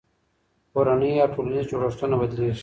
کورنۍ او ټولنیز جوړښتونه بدلېږي.